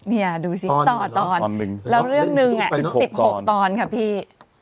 นี่ดูสิต่อตอนแล้วเรื่องหนึ่ง๑๖ตอนค่ะพี่